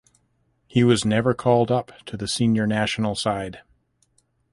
He was never called up to the senior national side.